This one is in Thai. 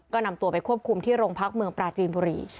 ก็นำตัวไปควบคุมที่โรงพักเมืองปราจีนบุรี